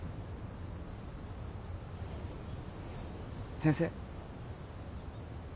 先生。